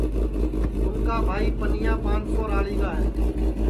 اُن کا بھائی پنیا پانسو راݪی گا تیا